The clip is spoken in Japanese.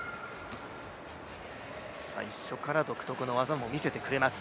最初から独特の技も見せてくれます。